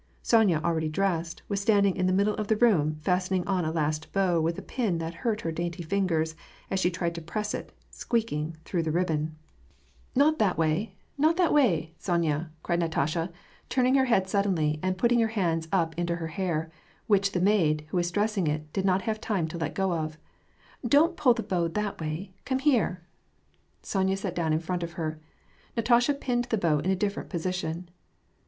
Sonya, already dressed, was standing in the middle of the room fastening on a last bow with a pin that hurt her dainty fingers as she tried to press it, squeaking, through the ribbon. WAR AND PEACE, 199 " Not that way, not that way, Sonya," cried Katasha, turn ing her head suddenly, and putting her hands up to her hair, which the maid, who was dressing it, did not have time to let go of. " Don't put the bow that way, come here !" Sonya sat down in front of her. Natasha pinned the bow in a different position.